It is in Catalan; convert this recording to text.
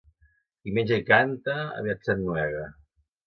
Qui menja i canta, aviat s'ennuega.